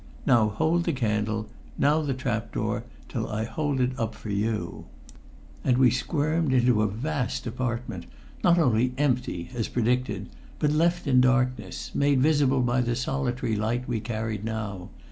Now hold the candle; now the trap door, till I hold it up for you." And we squirmed up into a vast apartment, not only empty as predicted, but left in darkness made visible by the solitary light we carried now.